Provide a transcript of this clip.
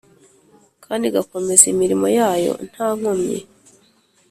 kandi igakomeza imirimo yayo nta nkomyi.